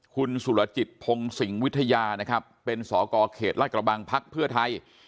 คุณสุรจิตพงศิงวิทยานะครับเป็นสกเขตลาดกระบังพักเพื่อไทย